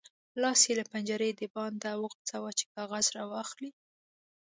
لاس یې له پنجرې د باندې وغځاوو چې کاغذ راواخلي.